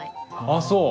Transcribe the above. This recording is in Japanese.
あっそう。